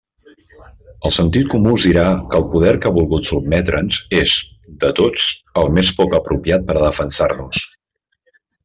El sentit comú us dirà que el poder que ha volgut sotmetre'ns és, de tots, el més poc apropiat per a defensar-nos.